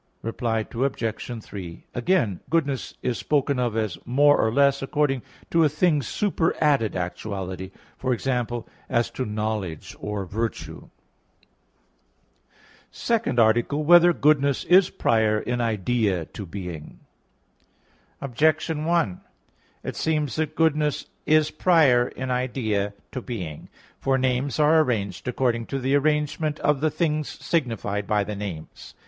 Reply Obj. 3: Again, goodness is spoken of as more or less according to a thing's superadded actuality, for example, as to knowledge or virtue. _______________________ SECOND ARTICLE [I, Q. 5, Art. 2] Whether Goodness Is Prior in Idea to Being? Objection 1: It seems that goodness is prior in idea to being. For names are arranged according to the arrangement of the things signified by the names.